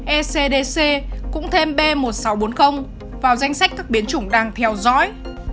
ecdc cũng thêm b một nghìn sáu trăm bốn mươi vào danh sách các biến chủng đang theo dõi